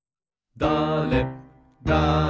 だれだれ